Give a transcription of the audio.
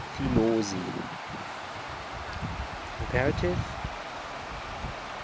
OPTAUTE. IMPERATIVE.